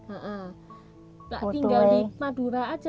anda tidak tinggal di madura saja